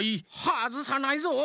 はずさないぞ！